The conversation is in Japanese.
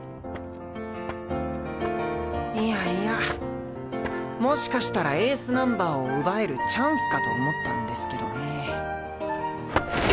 いやいやもしかしたらエースナンバーを奪えるチャンスかと思ったんですけどね。